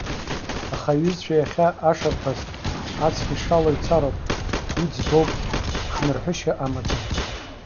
Аха иҩызцәа иахьа ашарԥаз, аҵх ишало ицароуп, уи ӡбоуп, хнырҳәышьа амаӡам.